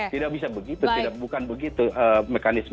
tidak bisa begitu bukan begitu mekanisme